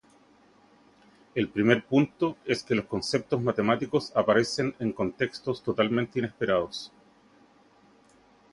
El primer punto es que los conceptos matemáticos aparecen en contextos totalmente inesperados.